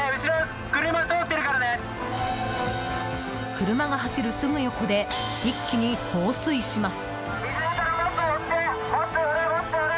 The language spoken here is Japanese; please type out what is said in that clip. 車が走るすぐ横で一気に放水します。